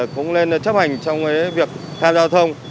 cũng nên chấp hành trong cái việc tham giao thông